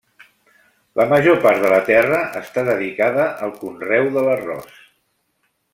La major part de la terra està dedicada al conreu de l'arròs.